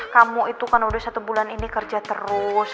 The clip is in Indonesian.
kamu itu kan udah satu bulan ini kerja terus